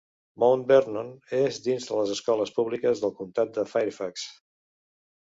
Mount Vernon és dins de les escoles públiques del comtat de Fairfax.